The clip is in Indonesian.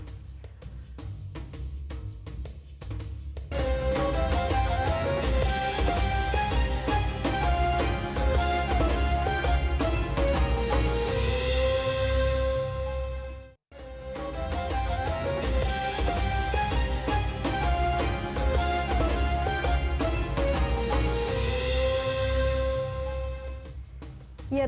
kita akan kembali sesaat lagi